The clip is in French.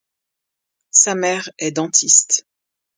Sa mère est dentiste.